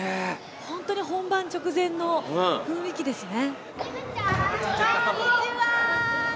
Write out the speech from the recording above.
本当に本番直前のふんいきですね。